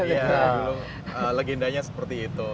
iya legendanya seperti itu